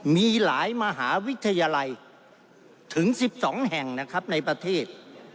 มีหลายมหาวิทยาลัยถึง๑๒แห่งนะครับในประเทศ